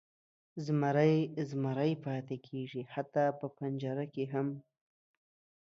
زمری زمری پاتې کیږي، حتی په پنجره کې هم.